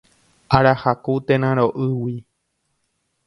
Arahaku térã roʼýgui.